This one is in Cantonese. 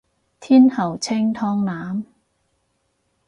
天后清湯腩